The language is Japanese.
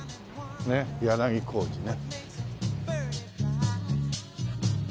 ねえ柳小路ね。